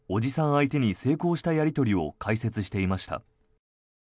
相手に成功したやり取りを解説していました。